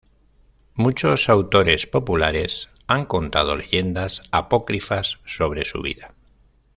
Muchos autores populares han contado leyendas apócrifas sobre su vida.